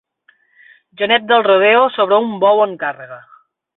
Genet del rodeo sobre un bou en càrrega.